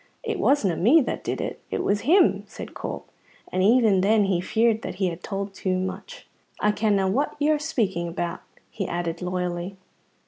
"It wasna me that did it; it was him," said Corp, and even then he feared that he had told too much. "I kenna what you're speaking about," he added loyally.